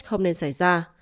không nên xảy ra